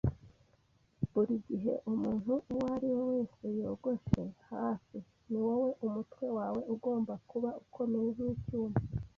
burigihe umuntu uwo ari we wese yogoshe hafi, niwowe; umutwe wawe ugomba kuba ukomeye nkicyuma.